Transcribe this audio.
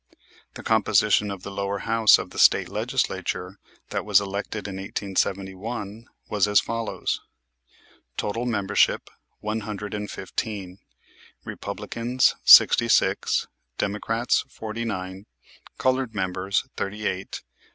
The composition of the lower house of the State Legislature that was elected in 1871 was as follows: Total membership, one hundred and fifteen. Republicans, sixty six; Democrats, forty nine. Colored members, thirty eight.